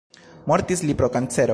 Mortis li pro kancero.